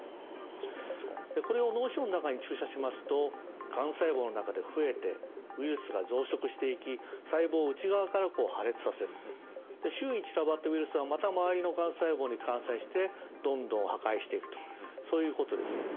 でこれを脳腫瘍の中に注射しますとがん細胞の中で増えてウイルスが増殖していき周囲に散らばったウイルスがまた周りのがん細胞に感染してどんどん破壊していくとそういうことです。